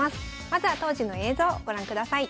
まずは当時の映像ご覧ください。